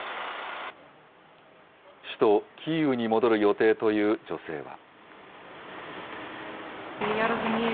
首都キーウに戻る予定という女性は。